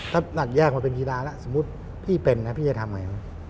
ถ้านัดแยกมาเป็นกีฬาแล้วสมมุติพี่เป็นนะพี่จะทำไง